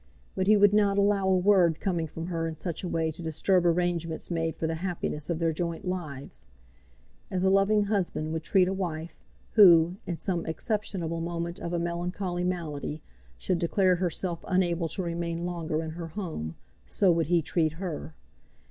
But he would not allow a word coming from her in such a way to disturb arrangements made for the happiness of their joint lives. As a loving husband would treat a wife, who, in some exceptionable moment of a melancholy malady, should declare herself unable to remain longer in her home, so would he treat her.